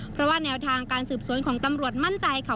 เพราะว่าแนวทางการสืบสวนของตำรวจมั่นใจค่ะ